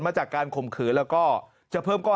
มาจากการคมขืนแล้วก็